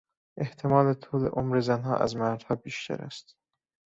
احتمال طول عمر زنها از مردها بیشتر است.